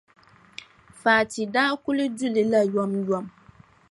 Fati daa kuli du li la yomyom.